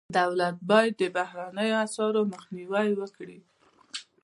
دولت باید د بهرنیو اسعارو مخنیوی وکړي.